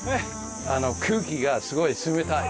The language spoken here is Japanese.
空気がすごい冷たい。